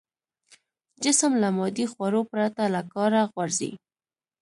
جسم له مادي خوړو پرته له کاره غورځي.